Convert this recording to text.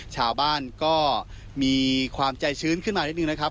ชาวบ้านก็มีความใจชื้นขึ้นมานิดนึงนะครับ